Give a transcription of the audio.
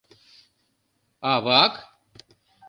Авак?